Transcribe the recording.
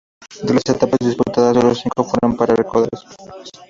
De las etapas disputadas, sólo cinco fueron para corredores españoles.